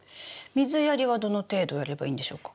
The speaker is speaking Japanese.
水やりはどの程度やればいいんでしょうか？